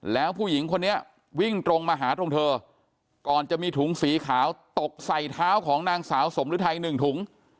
แล้วผู้หญิงคนนี้วิ่งตรงมาหาตรงเธอก่อนจะมีถุงสีขาวตกใส่เท้าของนางสาวสมฤทัยหนึ่งถุง